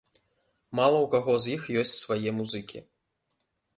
Мала ў каго з іх ёсць свае музыкі.